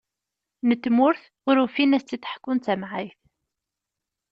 N tmurt, ur ufin ad as-tt-id-ḥkun d tamɛayt.